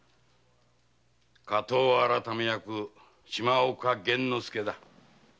火盗改役島岡源之介だ。